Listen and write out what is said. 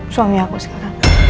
suami aku sekarang